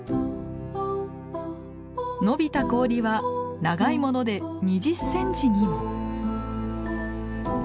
伸びた氷は長いもので２０センチにも。